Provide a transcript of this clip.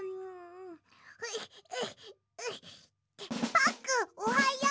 パックンおはよう！